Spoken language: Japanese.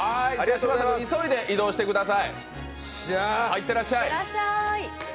嶋佐君、急いで移動してください。